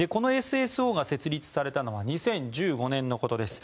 このＳＳＯが設立されたのは２０１５年のことです。